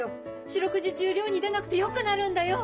四六時中漁に出なくてよくなるんだよ！